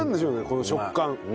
この食感。